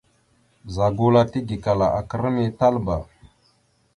Ɓəza gula tigekala aka ram ya Talba.